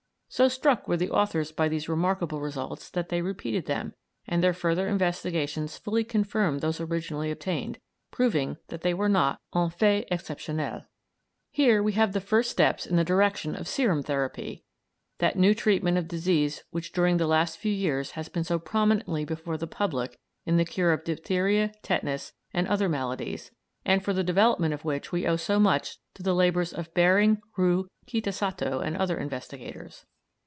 So struck were the authors by these remarkable results that they repeated them, and their further investigations fully confirmed those originally obtained, proving that they were not "un fait exceptionnel." Here we have the first steps in the direction of serum therapy, that new treatment of disease which during the last few years has been so prominently before the public in the cure of diphtheria, tetanus, and other maladies, and for the development of which we owe so much to the labours of Behring, Roux, Kitasato, and other investigators.